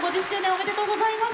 おめでとうございます。